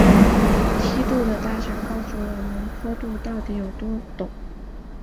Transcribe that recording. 梯度的大小告诉我们坡度到底有多陡。